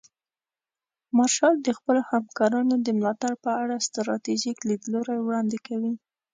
مارشال د خپلو همکارانو د ملاتړ په اړه ستراتیژیک لیدلوري وړاندې کوي.